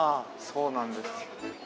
そうなんです。